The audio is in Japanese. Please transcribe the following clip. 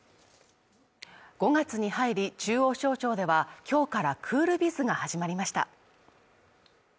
５月に入り中央省庁では今日からクールビズが始まりました。